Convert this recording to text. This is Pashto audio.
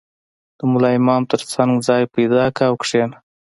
• د ملا امام تر څنګ ځای پیدا کړه او کښېنه.